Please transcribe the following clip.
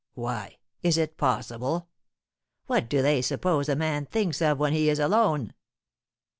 Why, is it possible? What do they suppose a man thinks of when he is alone?"